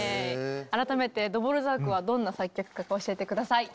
改めてドボルザークはどんな作曲家か教えて下さい。